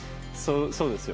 そうですよ。